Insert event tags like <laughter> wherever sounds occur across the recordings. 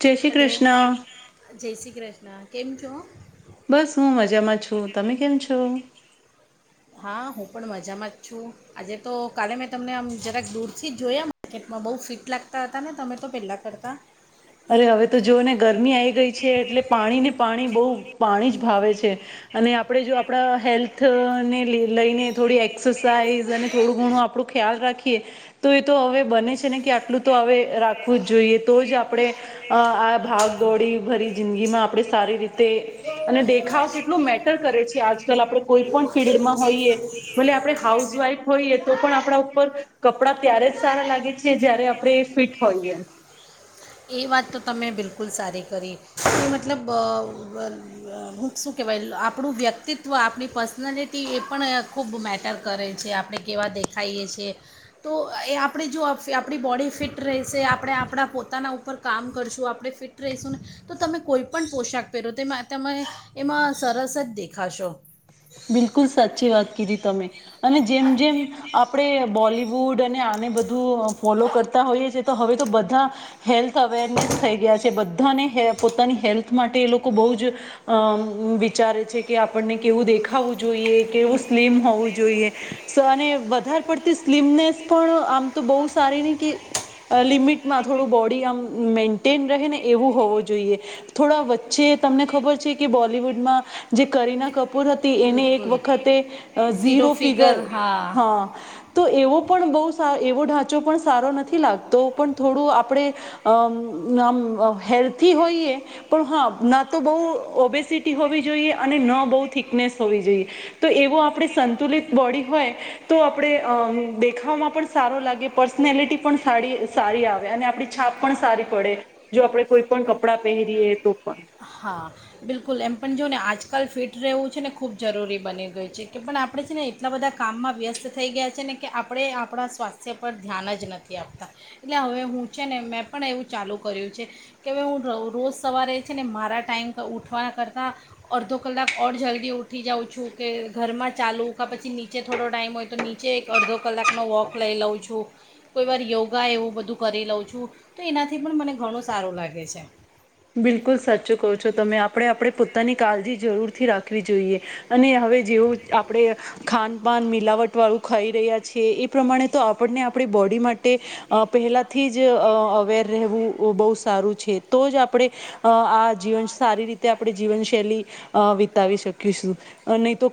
જય શ્રી હાલો કૃષ્ણ જય શ્રી કૃ ના કેમ છો? બસ હું મજામાં છું. તમે કેમ છો? હા હું પણ મજામાં જ છું આજે તો કાલે મેં તમને આમ જરાક દૂર થી જોયા માર્કેટમાં બવ ફિટ લાગતા હતા ને તમે તો પેલા કરતા. અરે હવે તો જો ને ગરમી આવી ગઈ છે એટલે પાણીને પાણી બહુ પાણી જ ભાવે છે અને આપણે જો આપણા હેલ્થને લઈને થોડી એક્સરસાાઈઝ અને થોડું ઘણું આપણું ખ્યાલ રાખીએ તો એ તો હવે બને છે ને કે આટલું તો હવે રાખવું જ જોઈએ તો જ આપણે અ આ ભાગ દોડી ભરી જિંદગીમાં આપણે સારી રીતે અને દેખાવ કેટલો મેટર કરે છે આજકાલ આપણે કોઈ પણ ફિલ્ડમાં હોઈએ ભલે આપણે હાઉસવાઈફ હોઈએ તો પણ આપણા ઉપર કપડાં ત્યારે જ સારા લાગે છે જય્યારે આપણે ફિટ હોઈએ. એ વાત તો તમે બિલકુલ સારી કરી એ મતલબ અ અ હું શું કહેવાય આપણું વ્યક્તિત્વ આપણી પર્સનાલિટી એ પણ અ ખૂબ મેટર કરે છે આપણે કેવા દેખાઈએ છીએ તો એ આપણે જો આપણી બોડી ફિટ રહે જે આપણે આપણા પોતાના ઉપ કામ કરશું આપણે, ફિટ રહીશું ને તો તમે કોઈ પણ પોશાક પહેરો તો તમે એમાં સરસ જ દેખાશો. બિલકુલ સાચી વાત કીધી તમે. અને જેમ જેમ આપણે બોલી વુડ અને આને બધું ફોલો કરતા હોઈએ છે, તો હવે તો બધા હેલ્થ અવેરનેસ થઈ ગયા છે બ ધાને પોતાની હેલ્થ માટે એ લોકો બહુ જ વિચારે છે, કે આપણને કેવું દેખ ખાવું જોઈએ, કેવું સ્લિમ હોવું જોઈએ, સ અને વધારે પડતી સ્લિમનેસ પણ આમ તો બહુ સારી નહીં. કે લિમિટમાં થોડું બોડી આમ મેન્ટેન રહે ને એવું હોવું. જોઈએ થોડા વચ્ચે તમને ખબર છે કે બોલીવુડમાં જે કરીના કપૂર હતી, એને એક બિલકુલ વખતે ઝીરો ફિગર, હા તો એવો પણ બહુ સા એવો ઢાંચો પણ સારો નથી લાગતો. પણ થોડું આપણે અં આમ આમ હેલ્થી હોઈએ, પણ હા ના તો બહુ ઓબેસિટી હોવી જોઈએ, અને ન બહુ થી નનેસ હોવી જોઈએ. તો એવો આપણે સંતુલિત બોડી હોય, તો આપણે અ દેખાવામાં પણ સારો લાગે પર્સનેલિટી પણ સાડી સારી આવે અને આપણી છાપ પણ સારી પડે, જો આપણે કોઈ પણ કપડાં પહેરીએ તો પણ. હા, બિલકુલ. એમ પણ જો ને આજકાલ ફિટ રહેવું છે ને ખૂબ જરૂરી બની ગયું છે. કે પણ આપણે છે ને એટલા બધા કામમાં વ્યસ્ત થઈ ગયા છે ને કે આપણે આપણા સ્વાસ્થ્ય પર ધ્યાન જ નથી આપતા. એટલે હવે હું છે ને મેં પણ એવું ચાલુ કર્યું છે કે હ હું રોજ સવારે છે ને મારા સારા ટાઈમ ઉઠવાના કરતાં અડધો કલાક ઓર જલ્દી ઊઠી જાઉં છું, કે ઘરમાં ચાલું ક પછી નીચે થોડો ટાઈમ હોય તો નીચે એક અડધો કલાકનો વોક લઈ લઉં છું. કોઈ વાર યોગા એવું બધું કરી લઉં છું. તો એનાથી પણ મને ઘણું સારું લાગે છે. બિલકુલ સાચું કહો છો તમે. આપણે આપણી પોતાની કાળજી જરૂરથી રાખવી જોઈએ. અને હવે જેવું આપણે ખાનપાન મિલાવટવાળું ખાઈ રહ્યા છીએ, એ પ્રમાણે તો આપણને આપણી બોડી માટે પહેલાથી જ અવેર રહેવું બહુ સારું છે તો જ આપ આપણે આ જીવન સારી રીતે આપણે જીવનશૈલી અ વિતાવી શકીશું. નહીં તો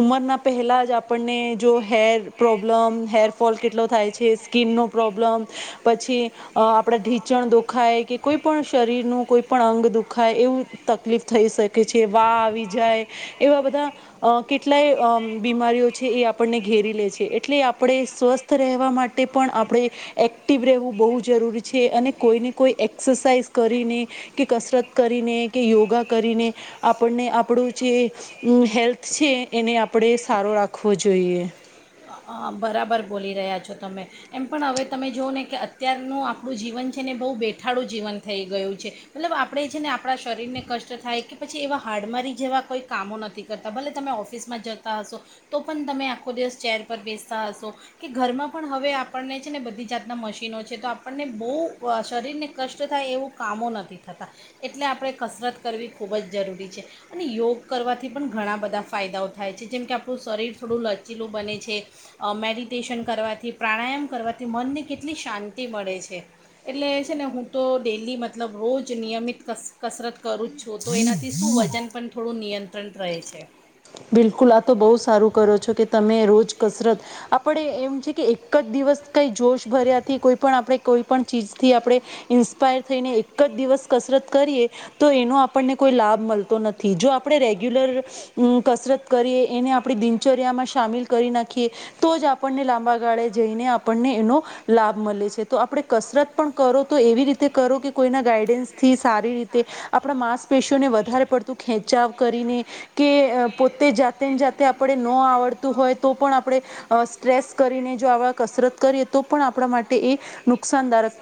ઉમરના પહેલા જ આપણને જો હેર પ્રોબ્લમ, હેરફોલ કેટલો થાય છે, સ્કીિનનો પ્રોબ્લમ, પછી આપડા ઢીંચણ દોખાય કે કોઈ પણ. શરીરનું કોઈ પણ અંગ દુખાય એવું તકલીફ થઈ શકે છે. વા આવી જાય, એવા બધા કેટલાય બીમારીઓ છે એ આપણને ઘેરી લે છે. એટલે આપણે સ્વસ્થ રહેવા માટે પણ આપણે એક્ટિવ રહેવું બહુ જરૂરી છે, અને કોઈને કોઈ એક્સરસાઇઝ કરીને, કે કસરત કરીને કે યોગા કરીને આપણને આપણું જે હેલ્થ છે એને આપણે સારો રાખવો જોઈએ. બરાબર બોલી રહ્યા છો તમે. એમ પણ હવે તમે જોવઓ ને, કે અત્યારનું આપણું જીવન છે ને બહુ બેઠાડું જીવન થઈ ગયું છે. મતલબ આપણે છે ને આપણા શરીરને કષ્ટ થાય, કે પછી એવા હાડમારી જેવાં કોઈ કામો નથી કરતા. ભલે તમે ઓફિસમાં જતા હશો તો પણ તમે આખો દિવસ ચેર પર બેસતા હશો કે ઘરમાં પણ હવે આપણને છે ને બધી જાતનાં મશીનો છે, તો આપણને બહુ શરીરને કષ્ટ થાય એવું કામો નથી થતા. એટલે આપણે કસરત કરવી ખૂબ જ જરૂરી છે. અને યોગ કરવાથી પણ ઘણા બધા ફાયદાઓ થાય છે જેમ કે આપણું શરીર થોડું લચીલું બને છે. અં મેડિટેશન કરવાથી પ્રાણાયામ કરવાથી મનને કેટલી શાંતિ મળે છે. એટલે છે ને હું તો ડેલી મતલબ રોજ નિયમિત કસ કસરત કરું જ છું, તો એનાથી શું વજન પણ થોડું નિયંત્રણ રહે છે. બિલકુલ આ તો બહુ સારું કરો છો કે તમે રોજ કસરત. આપણે એમ છે કે એક જ દિવસ કઈ જોશ ભર્યાથી કોઈ પણ આપણે કોઈ પણ ચીજથી આપણે ઈન્સ્પાયર થઈને એક જ દિવસ કસરત કરીએ, તો એનો આપણને કોઈ લાભ મળતો નથી. જો આપણે રેગ્યુલર કસરત કરીએ, એને આપણી દિનચર્યામાં સામેલ કરી નાખીએ, તો જ આપણને લાંબા ગાળે જઈને આપણને એનો લાભ મલે છે. તો આપણે કસરત પણ કરો તો એવી રીતે કરો કે કોઈના ગાઈડન્સથી સારી રીતે, આપણા માંસપેશીને વધારે પડતું ખેંચાવ કરીને, કે પોતે જાતે ને જાતે આપણે નો આવડતું હોય તો પણ આપણે સ્ટ્રેસ કરીને, જો આવા કસરત કરીએ તો પણ આપણા માટે એ નુકસાનદારક,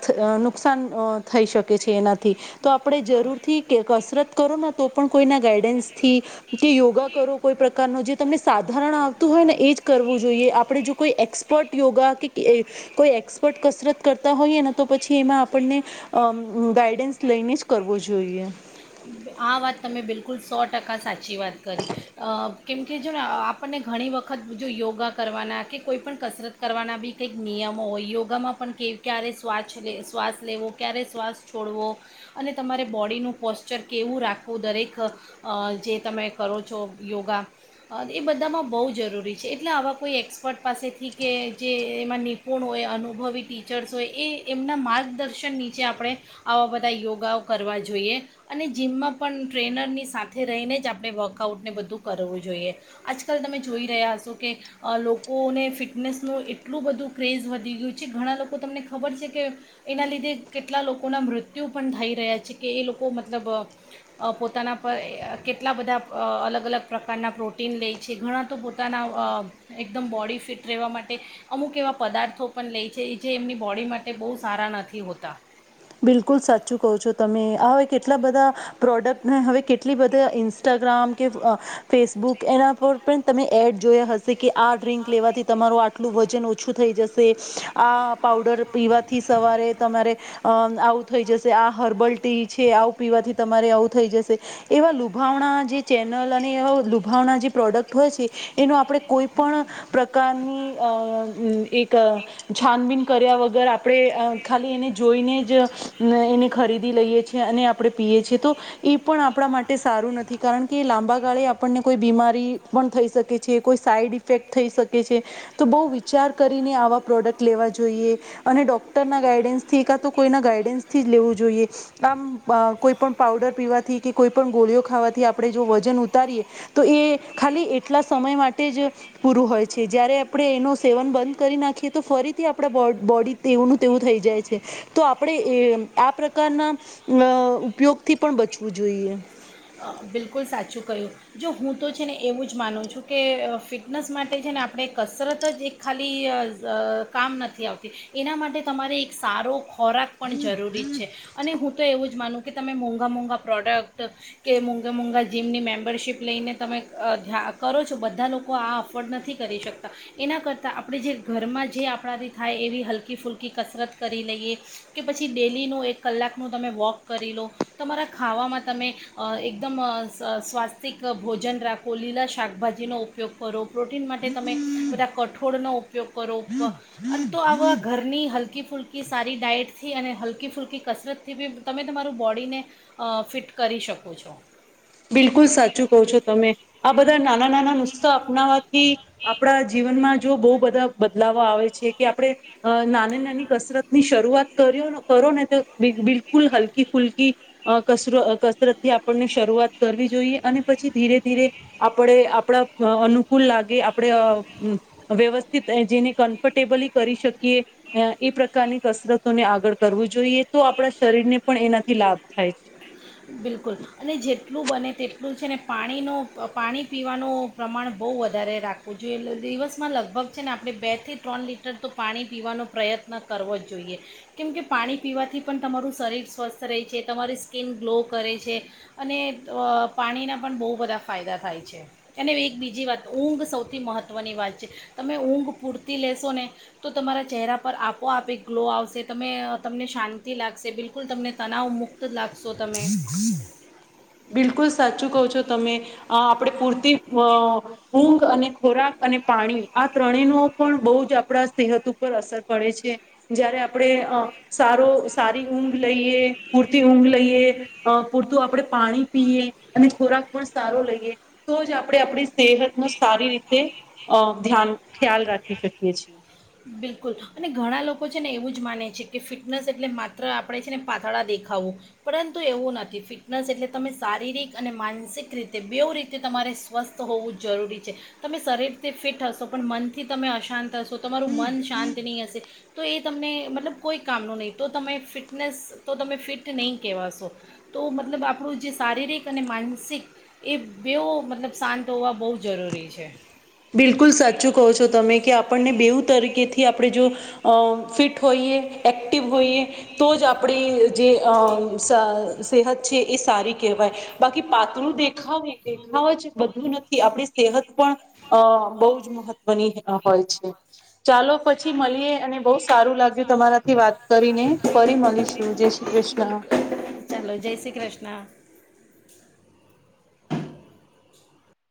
નુકસાન થઈ શકે છે એનાથી. તો આપણે જરૂરથી કસરત કરો ને તો પણ કોઈના ગાઈડન્સથી કે યોગા કરો કોઈ પ્રકારનું, જે તમને સાધારણ આવતું હોય ને એ જ કરવું જોઈએ. આપણે જો કોઈ એક્સપર્ટ યોગા કે કોઈ એક્સપર્ટ કસરત કરતા હોઈએ ને, તો પછી એમાં આપણને ગાઈડન્સ લઈને જ કરવું જોઈયે. આ વાત તમે બિલકુલ સો ટકા સાચી વાત કરી. અ કેમકે જોને અ આપણને ઘણી વખત જો યોગા કરવાના, કે કોઈપણ કસરત કરવાના બી કંઈક નિયમો હોય. યોગામાં પણ કે ક્યારે શ્વાછ લે, શ્વાસ લેવો ક્યારે શ્વાસ છોડવો, અને તમારે બોડીનું પોશ્ચર કેવું રાખવું, દરેક જે તમે કરો છો યોગા, એ બધામાં બહુ જરૂરી છે. એટલે આવા કોઈ એક્સપર્ટ પાસેથી, કે જે એમાં નિપુણ હોય અનુભવી ટીચર્સ હોય, એ એમના માર્ગદર્શન નીચે આપણે આવા બધા યોગાઓ કરવા જોઈએ. અને જીમમાં પણ ટ્રેનરની સાથે રહીને જ આપણે વર્કઆઉટને બધું કરવું જોઈએ આજકાલ તમે જોઈ રહ્યા હશો કે લોકોને ફિટનેસનું એટલું બધું ક્રેઝ વધી ગયું છે ઘણા લોકો તમને ખબર છે કે એના લીધે કેટલા લોકોના મૃત્યુ પણ થઈ રહ્યા છે કે એ લોકો. મ લબ પોતાના પર કેટલા બધા અ અલગ અલગ પ્રકારના પ્રોટીન લેય છે ઘણાં તો પોતાના અ એકદમ બોડી ફિટ રહેવા માટે અમુક એવા પદાર્થો પણ લેય છે જે એમની બોડી માટે બહુ સારા નથી હોતા. બિલકુલ સાચું કહો છો તમે હવે કેટલા બધા પ્રોડક્ટ હવે કેટલી બધા ઇન્સ્ટાગ્રામ કે ફેસબુક એના પર પણ તમે એડ જોયા હશે. કે આ ડ્ર્રીંક લેવાથી તમારું આટલું વજન ઓછ ઓછું થઈ જશે આ પાવડર પીવાથી સવારે તમારે. અ આવું થઈ જશે આ હર્બલ ટી છે આવું પીવાથી તમારે આવું થઈ જશે એવા લુભાવણા જે ચેનલ અને એવા લુભાવણા જે પ્રોડક્ટ હોય છે એનો આપણે કોઈ પણ પ્રકારની એક છાનબીન કર્યા વગર આપણે ખાલી એને. જોઈને જ એને ખરીદી લઈએ છેએ અને આપણે પીએ છીએ તો એ પણ આપણા માટે સારું નથી કારણ કે લાંબા ગાળે આપણને કોઈ બીમારી પણ થઈ શકે છે કોઈ સાઈડ ઇફેક્ટ થઈ શકે છે તો બહુ વિચાર કરીને આવા પ્રોડક્ટ લેવા જોઈએ અને ડૉક્ટરના ગાઈડન્સ. થી કા તો કોઈના ગાઈડન્સથી જ લેવું જોઈએ આમ કોઈ પણ પાાવડર પીવાથી કે કોઈ પણ ગોળીઓ ખાવાથી આપણે જો વજન ઉતારીએ તો એ ખાલી એટલા સમય માટે જ પૂરું હોય છે જ્યારે આપણે એનું સેવન બંધ કરી નાખીએ તો ફરીથી આપડા બોડ બોડી તેવું નું તેવું થઈ જાય છે. તો આપણે એ આ પ્રકારના અ ઉપયોગથી પણ બચવું જોઈએ. બિલકુલ સાચું કહ્યું જો હું તો છે ને એવું જ માનું છું કે ફિટનેસ માટે છે ને આપણે કસરત જ એક ખાલી કામ નથી આવતી એના માટે તમારે એક સારો. ખોરાક પણ જરૂરી છે અને હું તો એવું જ માનું. કે તમે મોંઘા મોંઘા પ્રોડક્ટ. કે મોંઘા મોંઘા જીમની મેમ્બરશીપ લઈને તમે ધ્યા કરો છો બધા લોકો આ અફોર્ડ નથી કરી શકતા એના કરતાં આપણે જે ઘરમાં જે આપણાથી થાય એવી હલકી ફૂલકી કસરત કરી લઈએ કે પછી ડેલીનું એક કલાકનું તમે વૉક કરી લો તમારા ખાવામાં તમે. એકદમ સ્વાસ્તિક ભોજન રાખો લીલા શાકભાજીનો ઉપયોગ કરો. પ્રોટીન માટે તમે બધા કઠોળનો ઉપયોગ કરો અને તો આવા ઘરની હલકી ફૂલકી સારી ડાયટ. થી અને હલકી ફૂલકી કસરતથી બી તમે તમારું બોડીને અ ફિટ કરી શકો. પૂછો. બિલકુલ સાચું કહો છો તમે આ બધા નાના નાના નુસ્તા અપનાવા થી આપણા જીવનમાં. જો બહુ બધા બદલાવ આવે છે કે આપણે અ નાની નાની કસરત ની શરૂઆત કર્યું કરો ને તો બિલકુલ હલકી ફુલકી કસર કસરત થી આપણને શરૂઆત. કરવી જોઈએ અને પછી ધીરે ધીરે આપડે આપડા અનુકૂળ લાગે આપડે વ્યવસ્થિત જેને કમ્ફર્ટેબલી કરી શકીએ એ પ્રકારની કસરતોને આગળ કરવું જોઈએ તો આપણા શરીરને પણ એનાથી લાભ થાય છે. બિલકુલ અને જેટલું બને તેટલું છે ને પાણીનો પાણી પીવાનું પ્રમાણ બહુ વધારે રાખવું જોઈએ. એટલે દિવસમાં લગભગ છે ને આપણે બેથી ત્રણ લીટર તો પાણી પીવાનો પ્રયત્ન કરવો જ જોઈએ. કેમ કે પાણી પીવાથી પણ તમારું શરીર સ્વસ્થ રહે છે, તમારી સ્કીન ગ્લો કરે છે અને અ પાણીના પણ બહુ બધા ફાયદા થાય છે અને એક બીજી વાત ઊંઘ સૌથી મહત્ત્વની વાત છે. તમે ઊંઘ પૂરતી લેશો ને તો તમારા ચહેરા પર આપોઆપે ગ્લો આવશે, તમે તમને શાંતિ લાગશે, બિલકુલ તમને તનાવ મુક્ત લાગશો તમે. બિલકુલ સાચું કહો છો. તમે અ આપણે પૂરતી <unintelligible> હું અને ખોરાક અને પાણી આ ત્રણેય ન પણ બહુ જ આપણા સેહત ઉપર અસર પડે છે જયારે આપણે અ સારો સારી ઊંઘ લઈએ, પૂરતી ઊંઘ લઈએ, પૂરતું આપણે પાણી પીએ અને ખોરાક પણ સારો લઈએ તો જ આપણે આપણી સેહત નો સારી રીતે અ ધ્યાન ખ્યાલ રાખી શકીએ છીએ. બિલકુલ અને ઘણા લોકો છે ને એવું જ માને છે કે ફિટનસ એટલે માત્ર આપણે છે ને પાતળા દેખાવું પરંતુ એવું નથી ફિટનસ એટલે તમે શારીરિક અને માનસિક રીતે બેવ રીતે તમારે સ્વસ્થ હોવું જરૂરી છે. તમે શરીરથી ફિટ હશો પણ મનથી તમે અશાંત હશો તમારું મન શાંત નહી હશે તો એ તમને મતલબ કોઈ કામનું નહીં તો તમે ફિટનેસ તો તમે ફિટ નહીં કહેવાશો તો મતલબ આપણું જે શારીરિક અને માનસિક એ બેવ મતલબ શાંત હોવા બહુ જરૂરી છે. બિલકુલ સાચું કહો છો તમે કે આપણને બેવું તરીકેથી આપણે અ જો ફિટ હોઈએ એક્ટિવ હોઈએ તો જ આપણી જેસ સેહત છે એ સારી કહેવાય બાકી પાતળું દેખાવું દેખાવ જ બધું નથી આપણી સેહત પણ અ બહુ જ મહત્વની હોય છે ચાલો પછી મળીએ. અને બહુ સારું લાગ્યું તમારાથી વાત કરીને ફરી મળીશું જય શ્રી કૃષ્ણ. બિલકુલ ચાલો જય શ્રી <inaudible>